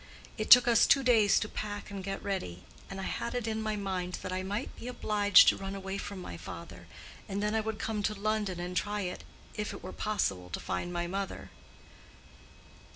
It took us two days to pack and get ready; and I had it in my mind that I might be obliged to run away from my father, and then I would come to London and try if it were possible to find my mother.